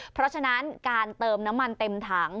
เพราะฉะนั้นการเติมน้ำมันเต็มถัง